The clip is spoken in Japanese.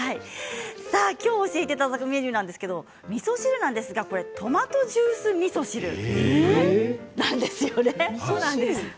今日教えていただくメニューなんですが、みそ汁なんですがトマトジュースみそ汁なんですよね。